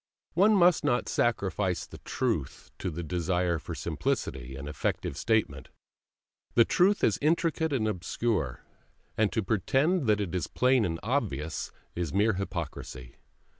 One must not sacrifice the truth to the desire for simplicity and effective statement. The truth is intricate and obscure, and to pretend that it is plain and obvious is mere hypocrisy.